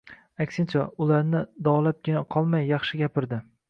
Aksincha, ularni davolabgina qolmay, yaxshi gapirdi.